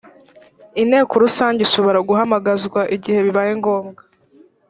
inteko rusange ishobora guhamagazwa igihe bibaye ngombwa